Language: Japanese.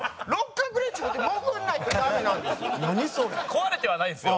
壊れてはないんですよ。